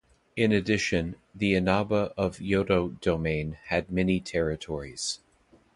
In addition, the Inaba of Yodo Domain had many territories.